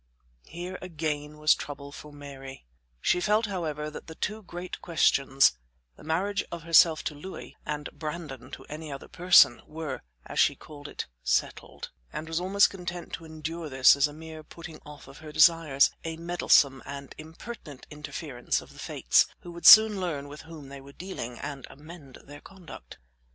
Here again was trouble for Mary. She felt, however, that the two great questions, the marriage of herself to Louis, and Brandon to any other person, were, as she called it, "settled"; and was almost content to endure this as a mere putting off of her desires a meddlesome and impertinent interference of the Fates, who would soon learn with whom they were dealing, and amend their conduct.